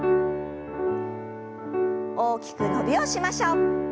大きく伸びをしましょう。